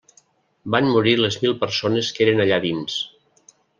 Van morir les mil persones que eren allà dins.